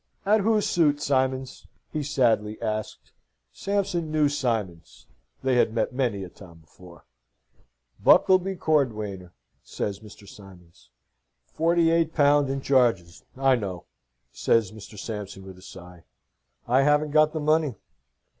"At whose suit, Simons?" he sadly asked. Sampson knew Simons: they had met many a time before. "Buckleby Cordwainer," says Mr. Simons. "Forty eight pound and charges, I know," says Mr. Sampson, with a sigh. "I haven't got the money.